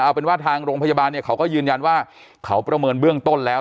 เอาเป็นว่าทางโรงพยาบาลเนี่ยเขาก็ยืนยันว่าเขาประเมินเบื้องต้นแล้ว